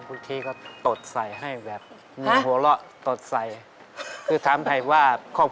บางทีก็หันไปเห็นเมียก็ทุกข์ลูกก็ทุกข์อย่างนี้ครับ